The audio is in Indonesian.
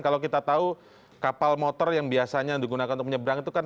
kalau kita tahu kapal motor yang biasanya digunakan untuk menyeberang itu kan